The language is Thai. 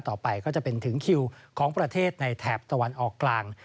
ต่อไปก็จะเป็นถึงคิวของประเทศในแถบตะวันออกกลาง